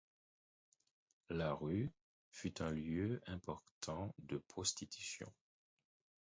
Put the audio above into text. La rue fut un lieu important de prostitution.